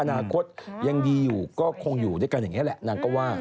อนาคตยังดีอยู่ก็คงอยู่ด้วยกันอย่างนี้แหละนางก็ว่า